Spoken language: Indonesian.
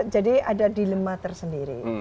jadi ada dilema tersendiri